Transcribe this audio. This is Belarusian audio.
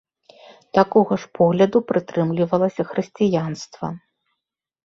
Такога ж погляду прытрымлівалася хрысціянства.